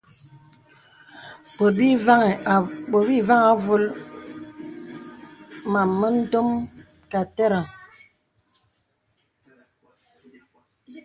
Bòt bì vàŋhī āvōl màm mə ndòm kà àterəŋ.